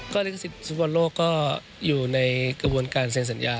ลิขสิทธิ์ฟุตบอลโลกก็อยู่ในกระบวนการเซ็นสัญญา